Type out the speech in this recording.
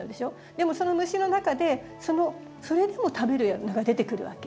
でもその虫の中でそれでも食べるのが出てくるわけ。